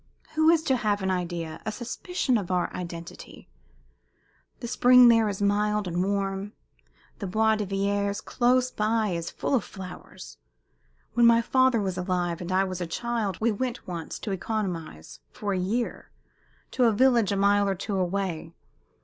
Who is to have an idea, a suspicion of our identity? The spring there is mild and warm. The Bois de Verrières close by is full of flowers. When my father was alive, and I was a child, we went once, to economize, for a year, to a village a mile or two away.